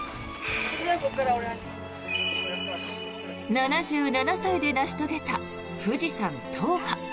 ７７歳で成し遂げた富士山踏破。